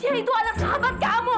ya itu anak sahabat kamu